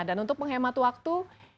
dan untuk menghemat waktu